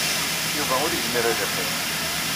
Yuba ur yezmir ad yeqqim.